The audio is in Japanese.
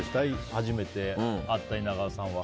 初めて会った稲川さんは。